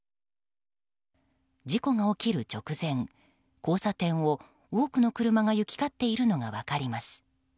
事故が起きる直前交差点を多くの車が行き交っているのが分かります。